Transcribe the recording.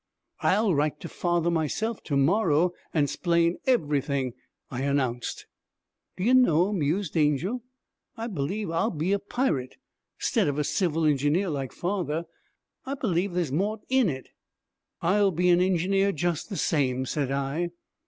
'I'll write to father myself, to morrow, an' 'splain everything,' I announced. 'D' you know,' mused Angel, 'I b'lieve I'll be a pirate, 'stead of a civil engineer like father. I b'lieve there's more in it.' 'I'll be an engineer just the same,' said I.